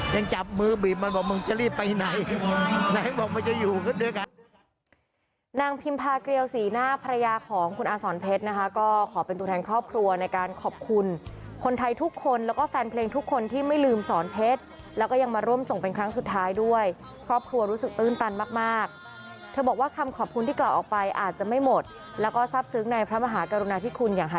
ยังจับมือบีบมันบอกมึงจะรีบไปไหน